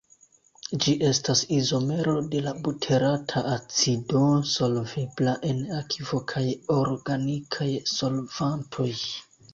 Ĝi estas izomero de la buterata acido, solvebla en akvo kaj organikaj solvantoj.